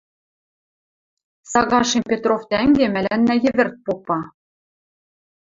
Сагашем Петров тӓнгем мӓлӓннӓ йӹвӹрт попа.